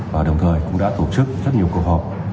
và đồng thời cũng đã tổ chức rất nhiều cuộc họp